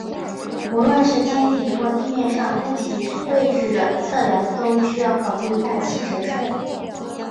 无论是天体或地面上物体位置的测量都需要考虑大气折射。